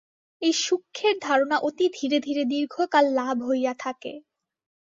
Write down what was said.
এই সূক্ষ্মের ধারণা অতি ধীরে ধীরে দীর্ঘকাল লাভ হইয়া থাকে।